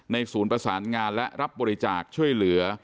ศูนย์ประสานงานและรับบริจาคช่วยเหลือ